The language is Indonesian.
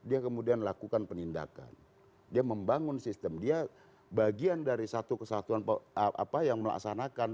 dia kemudian lakukan penindakan dia membangun sistem dia bagian dari satu kesatuan apa yang melaksanakan